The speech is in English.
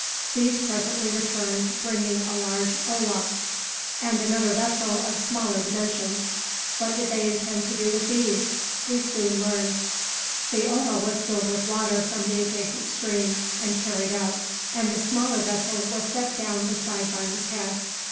These presently returned, bringing a large olla, and another vessel of smaller dimensions. What did they intend to do with these? We soon learned. The olla was filled with water from the adjacent stream, and carried up, and the smaller vessel was set down beside Barney's head.